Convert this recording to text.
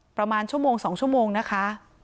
ประมาณชั่วโมง๒ชั่วโมงนะคะ